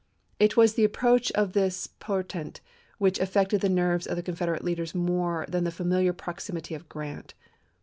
It was the approach of this por tent which affected the nerves of the Confederate leaders more than the familiar proximity of Grant.